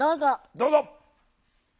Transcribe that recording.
どうぞ！